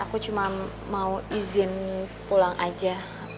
aku cuma mau izin pulang aja